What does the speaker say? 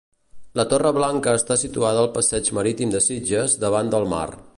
La Torre Blanca està situada al passeig Marítim de Sitges, davant del mar.